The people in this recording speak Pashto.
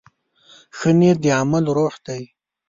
ښه نیت د عمل روح دی.